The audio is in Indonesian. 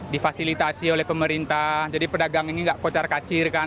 difasilitasi oleh pemerintah jadi pedagang ini nggak kocar kacir kan